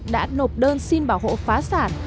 đã nộp đơn xin bảo hộ phá sản